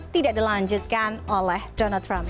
tidak dilanjutkan oleh donald trump